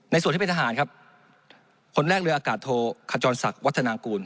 ส่วนที่เป็นทหารครับคนแรกเรืออากาศโทขจรศักดิ์วัฒนากูล